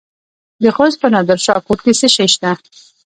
د خوست په نادر شاه کوټ کې څه شی شته؟